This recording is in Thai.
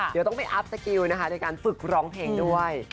เดี๋ยวต้องไปอัพสกิลนะคะในการฝึกร้องเพลงด้วย